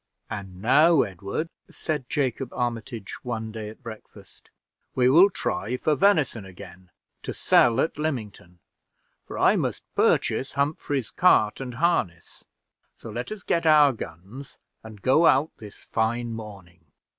"And now, Edward," said Jacob Armitage, one day at breakfast, "we will try for venison again to sell at Lymington, for I must purchase Humphrey's cart and harness; so let us get our guns, and go out this fine morning.